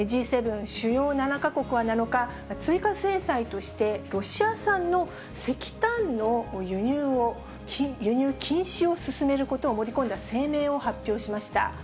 Ｇ７・主要７か国は７日、追加制裁として、ロシア産の石炭の輸入禁止を進めることを盛り込んだ声明を発表しました。